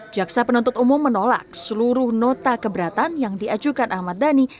jaksa penuntut umum menolak seluruh nota keberatan yang diajukan ahmad dhani